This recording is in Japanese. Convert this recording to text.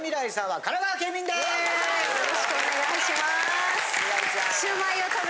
よろしくお願いします。